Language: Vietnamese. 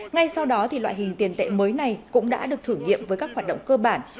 ngay sau đó loại hình tiền tệ mới này cũng đã được thử nghiệm với các hoạt động cơ bản